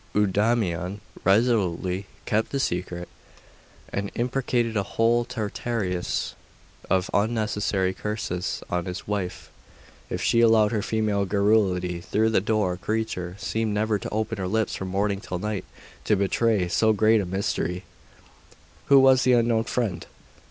Eudaimon resolutely kept the secret and imprecated a whole Tartarus of unnecessary curses on his wife if she allowed her female garrulity though the poor creature seemed never to open her lips from morning till night to betray so great a mystery. Who was the unknown friend?